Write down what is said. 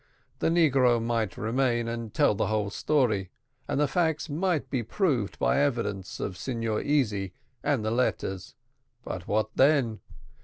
The negro might remain and tell the whole story, and the facts might be proved by the evidence of Signor Easy and the letters; but what then?